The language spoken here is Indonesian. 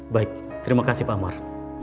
baik terima kasih pak amar